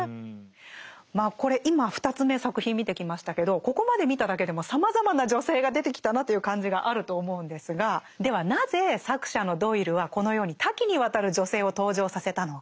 まあこれ今２つ目作品見てきましたけどここまで見ただけでもさまざまな女性が出てきたなという感じがあると思うんですがではなぜ作者のドイルはこのように多岐にわたる女性を登場させたのか。